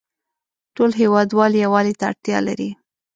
ټول هیوادوال یووالې ته اړتیا لری